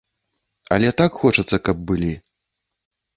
Але так хочацца, каб былі.